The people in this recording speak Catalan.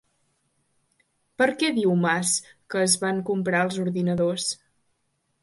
Per a què diu Mas que es van comprar els ordinadors?